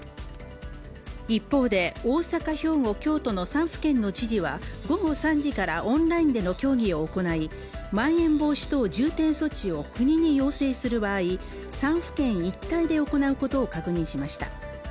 一方で、大阪、兵庫、京都の３府県の知事は、午後３時からオンラインでの協議を行いまん延防止等重点措置を国に要請する場合、３府県一体で行うことを確認しました。